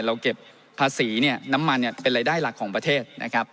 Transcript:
เราเก็บภาษีน้ำมันเป็นรายได้หลักของประเทศ